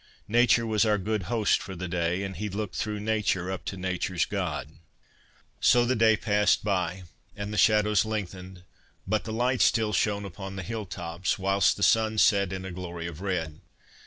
Nature was our ' good host ' for the day, and he ' looked through Nature up to Nature's God.' So the day passed by, and the shadows lengthened, but the light still shone upon the hill tops ; whilst the sun set in a glory of red.